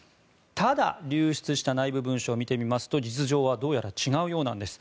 ただ、流出した内部文書を見てみますと実情はどうやら違うようなんです。